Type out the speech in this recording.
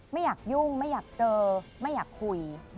ไม่อยากยุ่งไม่อยากเจอไม่อยากคุย